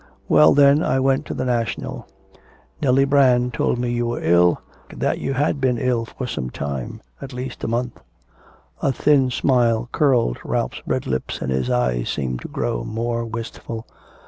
Well, then, I went to the National. Nellie Brand told me you were ill, that you had been ill for some time, at least a month.' A thin smile curled Ralph's red lips and his eyes seemed to grow more wistful.